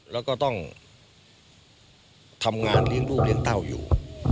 แล้วก็ต้องทำงานเลี้ยงลูกเลี้ยงเต้าอยู่